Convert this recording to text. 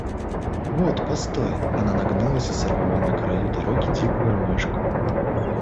Вот постой.— Она нагнулась и сорвала на краю дороги дикую ромашку.